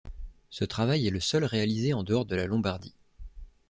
Ce travail est le seul réalisé en dehors de la Lombardie.